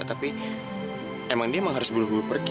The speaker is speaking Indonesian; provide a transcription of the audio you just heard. tapi emang dia emang harus buru buru pergi